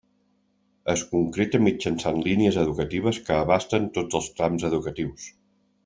Es concreta mitjançant línies educatives que abasten tots els trams educatius.